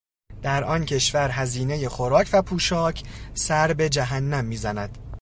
در آن کشور هزینهٔ خوراک و پوشاک سر به جهنم میزند.